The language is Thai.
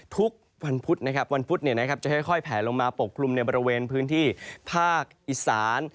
ทุกวันพุธนะครับวันพุธจะค่อยแผลลงมาปกกลุ่มในบริเวณพื้นที่ภาคอีสาน